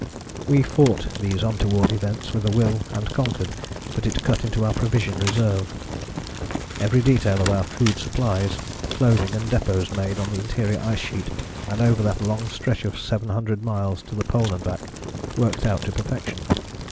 We fought these untoward events with a will and conquered, but it cut into our provision reserve. Every detail of our food supplies, clothing and depôts made on the interior ice sheet and over that long stretch of 700 miles to the Pole and back, worked out to perfection.